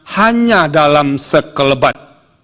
hanya dalam sekelebat